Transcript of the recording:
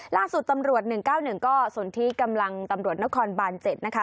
ล่าสุดตำรวจ๑๙๑ก็สนที่กำลังตำรวจนครบาน๗นะคะ